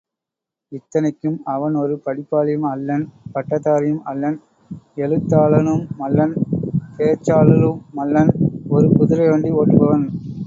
இத்தனைக்கும் அவன் ஒரு படிப்பாளியும் அல்லன் பட்டதாரியும் அல்லன் எழுத்தாளனுமல்லன் பேச்சாளலுமல்லன் ஒரு குதிரை வண்டி ஒட்டுபவன்.